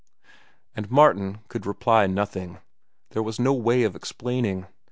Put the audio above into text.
And Martin could reply nothing. There was no way of explaining.